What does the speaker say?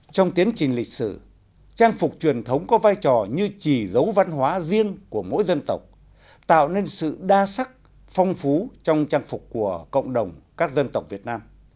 trong tiến trình lịch sử trang phục truyền thống có vai trò như chỉ dấu văn hóa riêng của mỗi dân tộc tạo nên sự đa sắc phong phú trong trang phục của cộng đồng các dân tộc việt nam